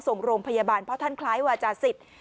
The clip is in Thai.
ส่งโรงพยาบาลเพราะท่านคล้ายวาจาศิษย์